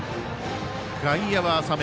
外野は浅め。